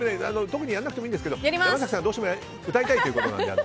特にやらなくてもいいですけど山崎さんがどうしても歌いたいということで。